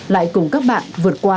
lại cùng các bạn vượt qua